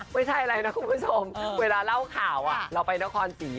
ไม่ใช่อะไรนะคุณผู้ชมเวลาเล่าข่าวเราไปนครศรี